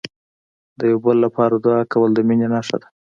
د یو بل لپاره دعا کول، د مینې نښه ده.